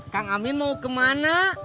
kang amin mau kemana